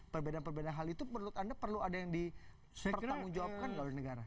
perbedaan perbedaan hal itu menurut anda perlu ada yang dipertanggung jawabkan dari negara